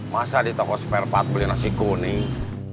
masa di toko spare part beli nasi kuning